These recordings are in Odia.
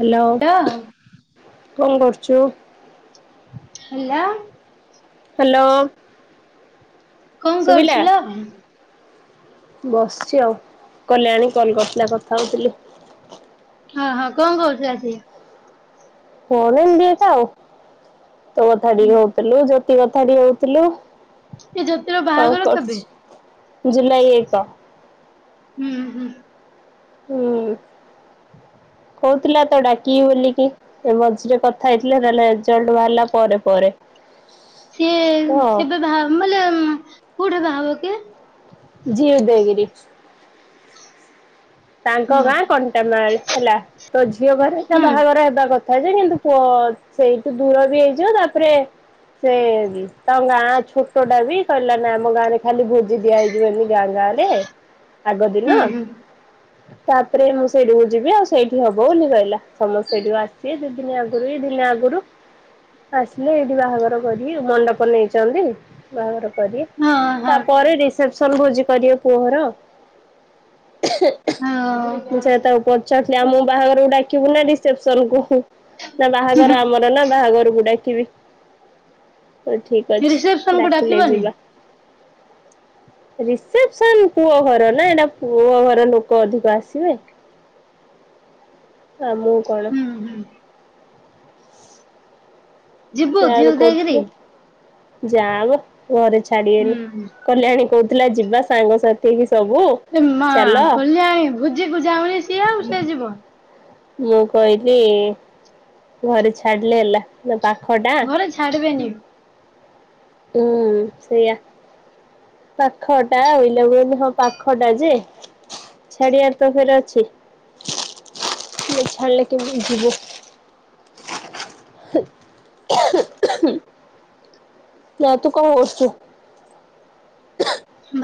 Hello hello. କଣ କରୁଛୁ? ହେଲା। ହାଲୋ। କଣ କରୁଚୁଲୋ? ବସିଛି ଆଉ କଲ୍ୟାଣୀ କଲ୍ କରିଥିଲା କଥା ହଉଥିଲି। ହଁ ହଁ କଣ କହୁଥିଲା ସିଏ। କଣ ଏମିତି ଏକା ଆଉ ତୋ ଅଧା ବି ହୁଁ ହୋଉ ହାଲୋ ଜ୍ୟୋତି କଥାଟିକେ ହଉଥିଲୁ ଏ ଜ୍ୟୋତିର କଣ ବାହାଘର କେବେ? କରୁଛି। ଜୁଲାଇ ଏକ। ହୁଁ ହୁଁ। ହୁଁ କହୁଥିଲା ତ ଡାକିବି ବୋଲିକି। ସେ ମଝିରେ କଥା ହେଇଥିଲେ ନହେଲେ ରେଜଲ୍ଟ ବାହାରିଲା ପରେ ପରେ। ସିଏ ତ କେବେ ବାହା ହ ମାନେ କୋଉଠି ବାହାହବ କି? ଜୀ ଉଦୟଗିରି। ତାଙ୍କ ମା ଗାଁ କଣ୍ଟାମାଳ ହେଲା। ତ ଝିଅ ଘରେ ନା ହୁଁ ବାହାଘର ହେବା କଥା ଯେ କିନ୍ତୁ ପୁଅ। ସେଇଠୁ ଦୂର ବି ହେଇଯିବ ତାପରେ। ସେ ତାଙ୍କ ଗାଁ ଛୋଟଟା ବି କହିଲା ନା ଆମ ଗାଁ ରେ ଖାଲି ଭୋ ଦି ଦିଆ ହେଇଯିବ ଏଇନୁ ଗାଁ ଗାଁ ରେ ଆଗ ହୁଁ ଦିନ। ହୁଁ। ତାପରେ ମୁଁ ସେଇଠିକୁ ଯିବି ଆଉ ସେଇଠି ହବ ବୋଲି କହିଲା। ସମସ୍ତେ ସେଇଠିକୁ ଆସିିବେ ଦି ଦିନି ଆଗରୁ କି ଦିନେ ଆଗରୁ ଆସିଲେ ଏଇଠି ବାହାଘର କରିବେ ମଣ୍ଡପ ନେଇଛନ୍ତି। ବାହାଘର କରି ହଁ ହଁ ତାପରେ ରିସେପସନ ଭୋଜି କରିବେ ପୁଅଘର ଆଉ। ହଁ। ମୁଁ ସେଇଆ ତାକୁ ପଚାରୁଥିଲି ଆମୁକୁ ବାହାଘରକୁ ଡାକିବୁ ନା ରିସେପସନ୍ କୁ। ନା ବାହାଘର ଆମର ନା ବାହାଘରକୁ ଡାକିବି। ହୋଉ ଠିକ ରିସେପସନ ଅଛି କୁ ଡାକିଲେ ଡାକିବନି? ଯିବା। ରିସେପସନ ପୁଅ ହର ନା ଏଇଟା ପୁଅ ହର ଲୋକ ଲୋକ ଅଧିକ ଆସିବେ ଆଉ କଣ। ହୁଁ ହୁଁ। ଯିବୁ ସେ ଝିଅ ଆହୁରି ଦେଇକିରି? କହୁଥିଲେ ଯାଆମ ଘରେ ହୁଁ। ଛାଡିିବେନି ହୁଁ। କଲ୍ୟାଣୀ କୋଉ କହୁଥିଲା ଯିବା ସାଙ୍ଗସାଥି ହେଇକି ସବୁ। ହେ ମା ଚାଲ କଲ୍ୟାଣୀ ଭୋଜିକୁୁ ଜାଉନି ସିଏ ଆଉ ସିଏ ଯିବ। ମୁଁ କହିଲି ଘରେ ଛାଡିଲେ ହେଲା। ନା ପାଖଟା ଘରେ ଛାଡିବେନି ହୁଁ ସେଇଆ। ପାଖଟା ଓଇଲା ମୁଁ କହିଲି ହ ପାଖଟା ଯେ ଛାଡିଆ ତ ଫେରେ ଅଛି। ନଛାଡ଼ିଲେ କେମିତି ଜିିବୁ। ନାଁ ତୁ କଣ ହସୁଛୁ।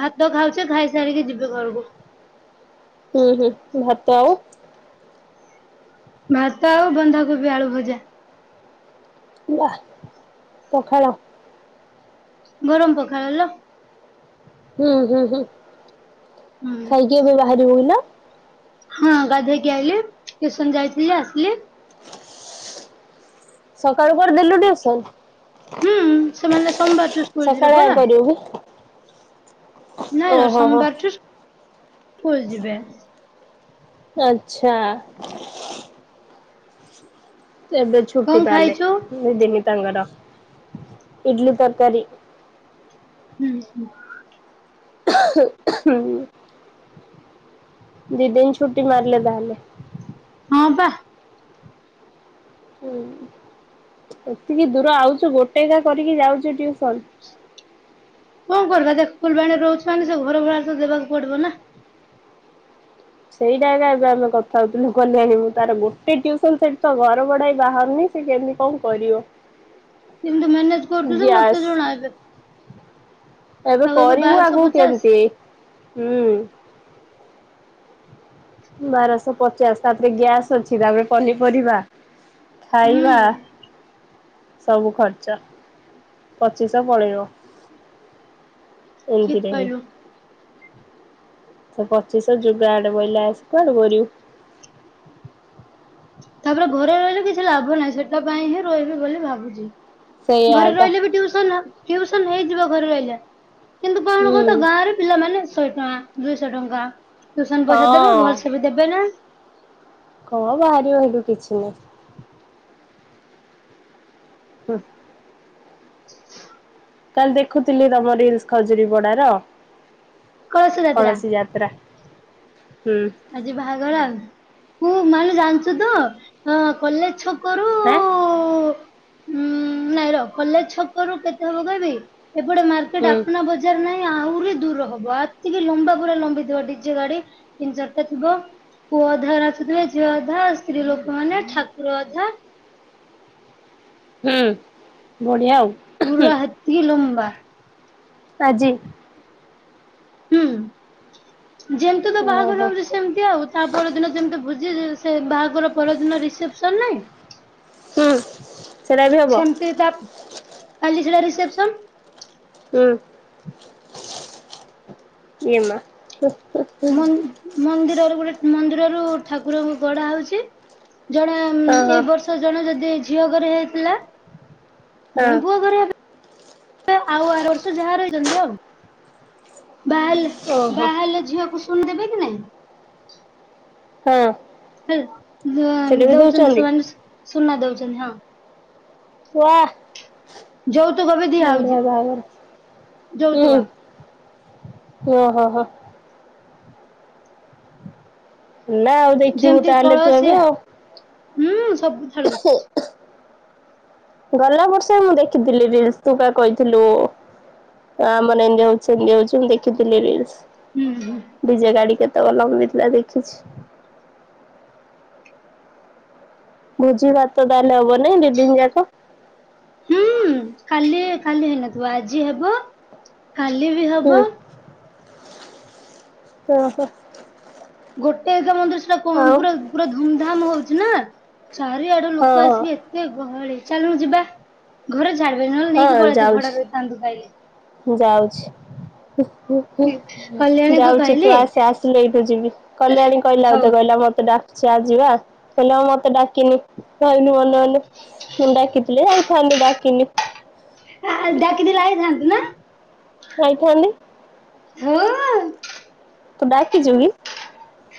ଭାତ ଖାଉଛି ଖାଇ ସାରିକି ଯିଵି ଘରକୁ। ସେ [unintelligible] ଭାତ। ଭାତ ଆଉ ବନ୍ଧାକୋବି ଆଳୁ ଭଜା। ୱା ପଖାଳ। ଗରମ୍ ପଖାଳଲ ହୁଁ ହୁଁ ହୁଁ ହୁଁ ଖାଇକି ଏବେ ବାହାରିବୁ [unintelligible] ହଁ ଗାଧେଇକି ଆଇଲି ଟ୍ୟୁସନ ଯାଇଥିଲି ଆସିଲି। ସକାଳୁ କର ଦେଲୁ ଟ୍ୟୁସନ। ହୁଁ ସେମାନେ ସୋମବାର ଠୁ ସ୍କୁଲ ଯିବେ ସକାଳେ ପରା? [unintelligible] ନାଁ ଲୋ ଓହୋ ହୋ ସୋମବାର ଠୁ ସ୍କୁଲ୍ ଯିବେ। ଆଚ୍ଛା। ଏବେ କଣ ଛୁଟି ତାହାଲେ ଖାଇଛୁ ଦିନି ତାଙ୍କର ଇଟିଲି ତରକାରୀ ହୁଁ ହୁଁ। ଉଁ ଦି ଦିନ ଛୁଟି ମାରିଲେ ତାହାଲେ? ହଁ ପା। ହୁଁ ଏତିକି ଦୂର ଆଉଚୁ ଗୋଟେ ଏକା କରିକି ଯାଉଛୁ ଟ୍ୟୁସନ। କଣ କରିବା ଦେ ଫୁଲବାଣୀ ରହୁଛ ମାନେ ସେ ଘର ଭଡା ତ ଦେବାକୁ ପଡିବ ନା? ସେଇଟା ଗା ଏବେ ଆମେ କଥା ହଉଥିଲୁ କଲ୍ୟାଣି ମୁଁ ତାର ଗୋଟେ ଟ୍ୟୁସନ ସେଠି ତ ଘର ବଢା ବି ବାହାରୁନି। ସ କେମିତି କଣ କରିବ? କେମିତି ମ୍ୟାନେଜ କରୁଚୁ ଯେ ମତେ ଗ୍ୟାସ୍ ଜଣା ଏବେ। ଏବେ ଆଉ କରିବୁ ବାରଶହ ଆଗୁକୁ ପଚାଶ କେମିତି ହୁଁ। ବାରଶହ ପଚାଶ ତାପରେ ଗ୍ୟାସ୍ ଅଛି ତାପରେ ପନିପରିବା ଖାଇବା। ହୁଁ ସବୁ ଖର୍ଚ୍ଚ ପଚିଶ ପଳେଇବ। ଠିକ ଏମିତି ରେହେ। କହିଲୁ ସେ ପଚିଶହ ଯୁଗ ଆଡ଼େ ବୋଇଲା ଆସି କୁଆଡ଼ୁ କରିବୁ। ତାପରେ ଘରେ ରହିଲେ କିଛି ଲାଭ ନାହିଁ ସେଟା ପାଇଁ ହିଁ ରହିବି ବୋଲି ଭାବୁଛି। ସେଇଆ ଘରେ ଏକା ରହିଲେ ବି ଟିଉସନ ଟିଉସନ୍ ହେଇଯିବ ଘରେ ରହିଲେ। କିନ୍ତୁ କଣ ହୁଁ କହୁ ତ ଗାଁରେ ପିଲାମାନେ ଶହେ ଟଙ୍କା ଦୁଇଶହ ଟଙ୍କା ଟ୍ୟୁସନ ପଇସା ଦେବେ ହଁ ଭଲସେ ବି ଦେବେ ନାଁ। କଣ ବାହାରି ହେଟୁ କିଛି ନାଇଁ। ହୁଁ। କାଲି ଦେଖୁଥିଲି ତମ ରିଲ୍ସ ଖଜୁରୀ ପଡାର କଳସ ଯାତ୍ରା କୌଣସି ଯା ତ୍ରା ହୁଁ। ଆଜି ବାହାଘର ଆଉ ତୁ ମାନୁ ଜାଣିଚୁ ତ ଅ କଲେଜ୍ ଛକରୁ ଆଁ। ଉ ଉଁ ନାଇଁ ର କଲେଜ୍ ଛକ ରୁ କେତେ ହବ କହିବି ଏପଟେ ମାର ଏ ହୁଁ ଡାପନା ବଜ ତିନି ଚାର ନାଇଁ ଆହୁରି ଦୂର ହବ ଆତିକି ଲମ୍ବା ପୁରା ଲମ୍ବିଥିବା ଡିଜେ ଗାଡି ତିନି ଚାର ଏ ଥିବ ପୁଅ ଅଧା ନାଚୁଥିବେ ଝିଅ ଅଧା ସ୍ତ୍ରୀ ଲୋକମାନେ ଠାକୁର ଅଧା ହୁଁ ବଢିଆ ଆଉ। ପୁରା ହେତିକି ଲମ୍ବା। ଆଜି। ହୁଁ ଯେମିତି ତ ବାହାଘର ଓହୋ ହଉଛି ସ ସେମିତି ଆଉ ତା ପରଦିନ ଯେମିତି ଭୋଜି ଯି ସେ ବାହା ଘର ପରଦିନ ରିସେପସନ୍ ନାହିଁ ହୁଁ ସେଟା ବି ହବ ସେମିତି ତା କାଲି ସିଲା ରିସେପ୍ସନ୍। ହୁଁ ଏମା‌ ହୁଁ ହୁଁ। ମନ୍ଦ ମନ୍ଦିରରୁ ଗୋଟେ ମନ୍ଦିରରୁ ଠାକୁରଙ୍କୁ ଗଢ଼ା ହଉଛି ଯଣେ ହଁ ଉଁ ହଁ ଏଇ ବର୍ଷ ଜଣେ ଯଦି ଝିଅ ଘରେ ହେଇଥିଲା ଜଣେ ହଁ ପୁଅ ଘରେ ହେବେ। ଆଉ ଆର ବର୍ଷ ଯାହା ରହିଛନ୍ତି ଆଉ। ବାହାହେଲେ ଓହୋ ବାହାହେଲେ ଝିଅକୁ ପୁଣି ଦେବେ କି ନାଇଁ? ହଁ। ହେଲା ସେଟା ବି ଦଉଚନ୍ତି ଦଉଛନ୍ତି ସେମାନେ ସୁ ସୁନା ଦଉଚନ୍ତି ହଁ। ୱା ଯୋଉତୁକ ବି ଦିଆ ବଢିଆ ହଉଚି ବାହାଘର ଯୋଉତୁକ। ଓ ହୋ ହୋ। ସୁନା ଆଉ ଦେଖିବୁ ଯେମିତି ତାହେଲେ ତୁ କଳସି ଏ ଏବେ ଆଉ ହୁଁ ସବୁ ଥର [unintelligible] ଗଲା ବର୍ଷ ମୁଁ ଦେଖିଥିଲି ରିଲସ ତୁ ବା କଇଥିଲୁ ହଁ ଆମର ଏମିତି ହଉଚି ସେମିତି ହଉଚି ମୁଁ ଦେଖିଥିଲି ରିଲସ। ହୁଁ ହୁଁ ଡିଜେ ଗାଡି କେତେକ ଲମ୍ବିଥିଲା ଦେଖିଛି। ଭୋଜି ଭାତ ତାହେଲେ ହବନାଇଁ ଦି ଦିନ ଯାକ? ହୁଁ କାଲି କାଲି ହେଇନଥିବ ଆଜି ହେବ କାଲି ବି ହୁଁ ହବ। ଓ ହୋ। ଗୋଟେ ଏକା ମନ୍ଦିର ସେଟା କୋଉ ଆଉ ପୁରା ପୁରା ଧୁମଧାମ ହଉଚି ନା। ଚାରିଆଡୁ ହଁ ଲୋକ ହଁ ଆସିକି ଏତେ ଗହଳି ଚାଲୁନୁ ଯିବା। ଘରେ ଛାଡ଼ିବେନି ନହଲେ ନେଇକି ପଳା [unintelligible] ଯାଉଚି କଲ୍ୟାଣୀକୁ ଯାଉଚି କହିଲି ତୁ ଆସେ ଆସେ। ମୁଁ ଏଇଠୁ ଯିବି କଲ୍ୟାଣୀ କହିଲା ହଉ ମତେ କହିଲା ମତେ ଡ଼ା ଚାଲ୍ ଯିବା କହିଲା ଆଉ ମତେ ଡାକିନି। ଭାବିନି ମନେ ମନେ ମୁଁ କନି ଡାକିଥିଲେ ଆଇଥାନ୍ତି ଡାକି ନି। ଆ ଆ ଡାକିଥିଲେ ଆଇଥାନ୍ତୁ ନା? ଯାଇଥାନ୍ତି। ହଁ ଅଁ? ତୁ ଡାକିଚୁ କି?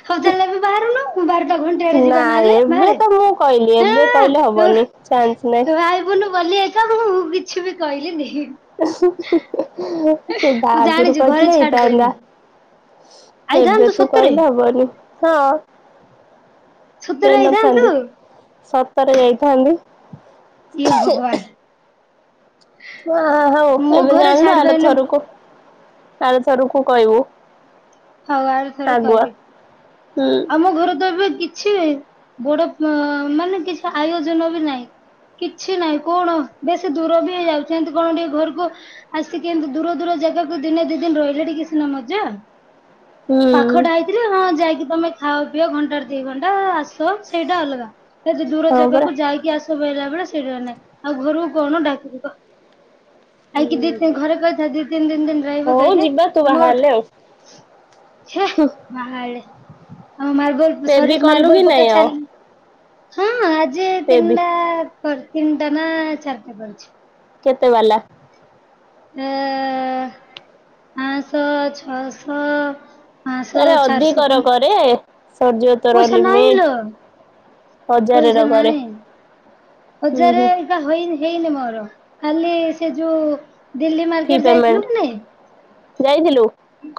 ହଉ ଚାଲ ଏବେ ବାହାରୁନୁ ବାରଟା ଘଣ୍ଟେ ଆଡେ ଯିବା ନା ନହେଲେ ଏବେ ବାହାରେ। ତ ମୁଁ କହିଲି ଏବେ ହଁ କହିଲେ ହବନି। ଚାନ୍ସ ନାହିଁ। କୁନୁ ଗଲି ଏଠାକୁ କିଛି ବି କହିଲି ନି। ତୁ ବା ମୁଁ ଆଗରୁ ଜାଣିଛି ଘରେ କହିଥିଲେ ହେଇଥାନ୍ତା। ଛାଡିବେନି। ଏବେ ଆଇଥାନ୍ତୁ ତୁ ସତରେ କହିଲୁ ହବନି। ହଁ ସତରେ ଆଇଥାନ୍ତୁ ଯାଇନଥାନ୍ତି ସତରେ ଯାଇଥାନ୍ତି। ଇଏ ଭଗବାନ। ହ ହ ହଉ ମୋ ଏବେ ଘରେ ଜାଣିଲୁ ଛାଡି ଆର ପାରିଲେ ଥରକୁ ଆର ଥରକୁ କହିବୁ। ହଉ ଆର ଥରକୁ ଆଗୁଆ। କହିବି। ହୁଁ ଆମ ଘରେ ତ ଏବେ କି କିଛି ବଡ ମାନେ କିଛି ଆୟୋଜନ ବି ନାହିଁ। କିଛି ନାହିଁ କଣ ବେଶୀ ଦୂର ବି ହେଇଯାଉଛି ଏମିତି କଣ ଟିକେ ଘରକୁ ଆସିକି ଏମିତି ଦୂର ଦୂର ଜାଗାକୁ ଦିନେ ଦି ଦିନ ରହିଲେ ଟିକେ ସିନା ମଜା। ହୁଁ ପାଖଟା ହେଇଥିଲେ ହଁ ଯାଇକି ତମେ ଖାଅ ପିଅ ଘଣ୍ଟାରେ ଦି ଘଣ୍ଟା ଆସ ସେଇଟା ଅଲଗା। ଏତେ ଦୂର ହଁ ପରା। ଜାଗାକୁ ଯାଇକି ଆସି ପାଇଲା ବେଳେ ସେଇଟା ନାହିଁ ଆଉ ଘରକୁ କଣ ଡାକିବି କହ। ଆଇକି ଦି ତିି ଘରେ କହିଥା ଦି ତିନି ଦିନ ଦିନ ରହିବାକୁ ହଉ ଆଇଲେ ଯିବା ତୁ ଆମର ବାହାରିଲେ ଆଉ। ସେ ବାହାଳେ ଆମ ମାର୍ବଲ ପେବି ସରି କଲୁ କି ମାର୍ବଲ ନାଇଁ ପକା ଆଉ ଚାଲି ହଁ ଆଜି ପେବି ତିନିଟା ତିନିଟା ନା ଚାରିଟା କରିଚି। କେତେ ଗଲା? ଏ ପାଁଶହ ଛଅଶହ ହଁ। ଆରେ ଅଧିକ ର କରେ ସରିଯିବ ପଇସା ନାହିଁ ଲୋ। ହଜାର ର ପଇସା କରେ। ନାହିଁ ହୁଁ ହଜାରେ ହୁଁ ଏକା ହେଇନି ମୋର। କାଲି ସେ ଯୋଉ ଦିଲ୍ଲୀ ଫି ମାର୍କେଟ ଯାଇଥିଲୁ କି ନାଇଁ ପମେଣ୍ଟ ଯାଇଥିଲୁ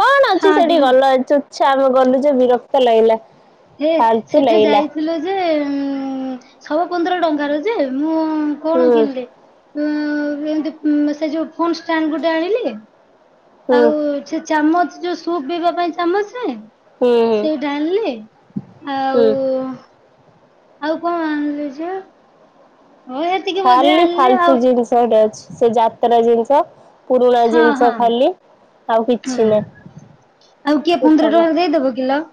କଣ ଅଛି ହଁ ସେଠି ଦିଲ୍ଲୀ ଗଲ ଏଯୋ ଚାରୁ ଗଲି ଯେ ବିରକ୍ତ ଲାଗିଲା। ହେ ଫାଲତୁ ସେଠି ଲାଗିଲା ଯାଇଥିଲେ ଯେ ଶହ ପନ୍ଦର ଟଙ୍କାର ଯେ ମୁଁ ହୁଁ କଣ କିଣିଲି ଉନ୍ ଏମତି ଯୋଉ ଫୋନ୍ ଗୋଟେ ଆଣିଲି ହୁଁ ଆଉ ସେ ଚାମଚ ଯୋଉ ସୁପ୍ ପିଇବା ପାଇଁ ଚାମଚରେ ହୁଁ ହୁଁ। ସେଇଟା ଆଣିଲି ଆଉ ହୁଁ। ଆଉ କଣ ଆଣିଲି ଯେ? ହଁ ଏତିକି ବୋଧେ ଖାଲି ଆଣିଲି ଫାଲତୁ ଆଉ ଜିନିଷ ଗଟେ ଅଛି ସେ ଯାତ୍ରା ଜିନିଷ ପୁରୁଣା ହଁ ଜିନିଷ ହଁ ଖାଲି ଆଉ କିଛି ହୁଁ ନାହିଁ। ଆଉ କିଏ ପନ୍ଦର ସେତକ ଟଙ୍କା ଦେଇଦବ କିଲୋ?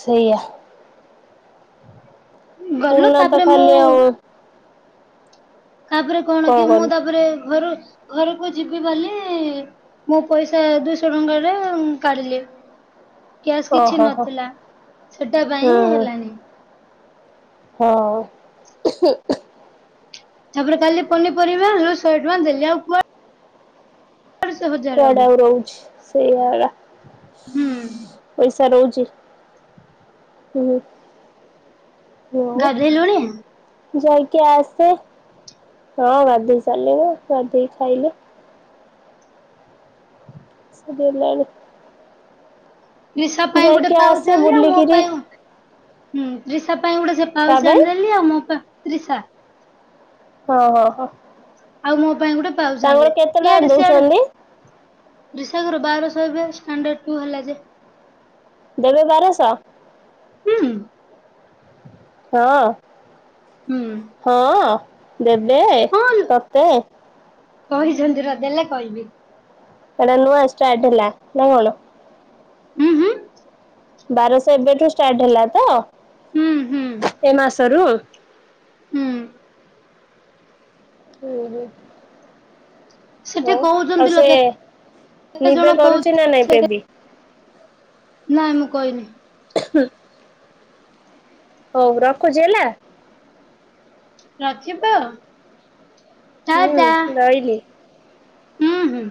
ସେଇଆ ଗଲୁ ପୁରୁଣା ତ ତାପରେ ଖାଲି ଆଉ ମୁଁ ତାପରେ କଣ କି ମୁଁ ତାପରେ ଘରୁ ଘରକୁ ଯିବି ବୋଲିଲି ମୋ ପଇସା ଦୁଇଶହ ଟଙ୍କା ଟା କାଢିଲି କ୍ୟାସ୍ କିଛି ଓହୋ ହୋ ନଥିଲା ସେଟା ହୁଁ ପାଇଁ ହେଲାଣି। ହଉ ତାପରେ କାଲି ପନିପରିବା ହେ ଶହେ ଟଙ୍କା ଦେଲି ଆଉ କୁ ହବ। କୁଆଡେ ଆଉ ରହୁଛି ସେଇଆ ଗଡା ହୁଁ ପଇସା ରହୁଛି ହୁଁ ହୁ। ଗାଧେଇଲୁଣି ଯାଇକି ଆସେ ହଁ ଗାଧେଇ ସାରିଲିଣି ଗାଧେଇ ଖାଇଲେ ସରିଗଲାଣି ରିଶବ୍ ପାଇଁ ଗୋଟେ ଯାଇକି ପାଉଜୁ ଆସେ ଆଣିଲ ଆଉ ମୋ ବୁଲିକିରି ପାଇଁ ହୁଁ ତ୍ରିସା ପାଇଁ ଗୋଟେ ସେ ତା ପାଉଛି ପାଇଁ ଆଣିଦେଲି ଆଉ ମୋ ପାଇଁ ତ୍ରିସା ହଁ ହଁ ହୋ ଆଉ ମୋ ପାଇଁ ଗୋଟେ ପାଉଜୁ ଆଣିଲି କେତେ ଟଙ୍କା ଇଆଡେ ସିଆଡେ ଦଉଛନ୍ତି ଦୂସାଗର ବାରଶହ ଏବେ ସ୍ତାଣ୍ଟଡ ଟୁ ହେଲା ଯେ ଦେବେ ବାରଶହ? ହୁଁ। ହଁ। ହୁଁ। ହଁ ଦେବେ ହଁ ତତେ କହିଛନ୍ତି ନ ଦେଲେ କହିବି। ଏଟା ନୂଆ ଷ୍ଟାର୍ଟ ନା କଣ? ହୁଁ ହୁଁ। ବାରଶହ ଏବେଠୁ ଷ୍ଟାର୍ଟ ହେଲା ତ? ହୁଁ ହୁଁ ଏ ମାସରୁ ହୁଁ। ହୁଁ ହୁଁ। ହଉ ସେଠି ଆଉ କହୁଛନ୍ତି ଲୋ ସେ କେତେ ନିଜେ ଜଣ କରୁଛି ନା କହୁ ନାଇବେ ବି ନାଇଁ ମୁଁ କହିନି [inaudible] ହଉ ରଖୁଛି ହେଲା। ରଖିବ ଟା ହୁଁ ଟା ରହିଲି। ହୁଁ ହୁଁ।